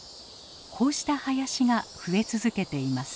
こうした林が増え続けています。